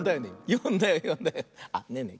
よんだよよんだよ。あっねえねえ